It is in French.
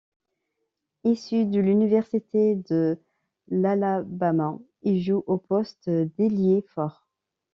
Issu de l'université de l'Alabama, il joue au poste d'ailier fort.